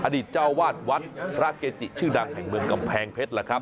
อดีตเจ้าวาดวัดพระเกจิชื่อดังแห่งเมืองกำแพงเพชรล่ะครับ